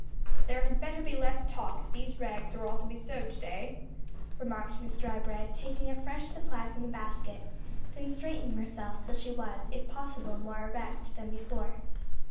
"THERE had better be less talk, if these rags are all to be sewed to day," remarked Miss Drybread, taking a fresh supply from the basket, then straightening herself till she was, if possible, more erect than before.